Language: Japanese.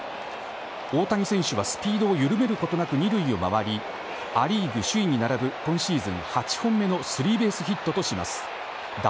大谷選手はスピードを緩めることなく２塁を回りア・リーグ首位に並ぶ今シーズン８本目のスリーベースヒットとします。